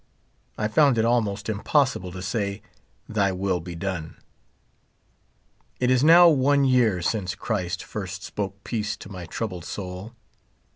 I found it almost impossible to say. " Thy will be done.*' It is now one year since Christ first spoke peace to my troubled soul.